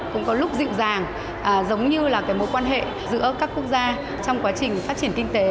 cũng có lúc dịu dàng giống như là cái mối quan hệ giữa các quốc gia trong quá trình phát triển kinh tế